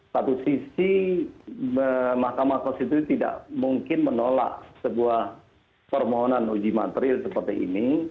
satu sisi mahkamah konstitusi tidak mungkin menolak sebuah permohonan uji materi seperti ini